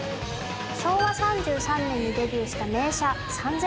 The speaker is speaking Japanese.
昭和３３年にデビューした名車３０００形。